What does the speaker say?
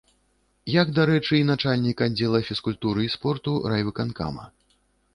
Як, дарэчы, і начальнік аддзела фізкультуры і спорту райвыканкама.